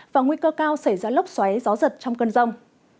và nguy cơ cao xảy ra lốc xoáy gió giật trong cơn rông